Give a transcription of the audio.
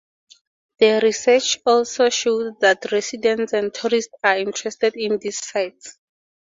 The research also showed that residents and tourists are interested in these sites.